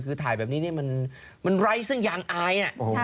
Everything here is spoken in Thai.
คือถ่ายแบบนี้มันไร้ซึ่งยางอาย